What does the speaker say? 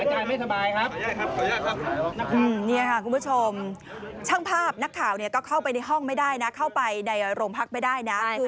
เห็นนี่ค่ะสมมติข้างภาพนักข่าวไม่ได้เข้าไปในโรงพักษณ์